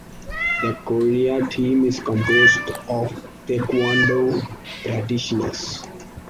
The Korea Team is composed of taekwondo practitioners.